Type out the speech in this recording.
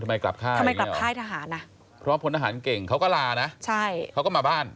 ทำไมกลับค่ายอย่างนี้หรอเพราะผลอาหารเก่งเค้าก็ลานะเค้าก็มาบ้าน